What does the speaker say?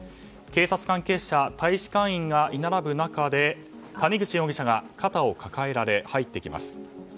警察関係者大使館員が居並ぶ中で谷口容疑者が肩を抱えられ入ってきます。